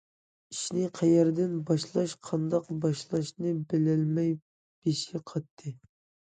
ئىشنى قەيەردىن باشلاش، قانداق باشلاشنى بىلەلمەي بېشى قاتتى.